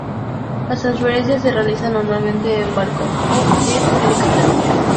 Las transferencias se realizan normalmente en barco o en helicóptero.